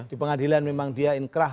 di pengadilan memang dia inkrah